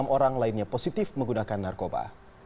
enam orang lainnya positif menggunakan narkoba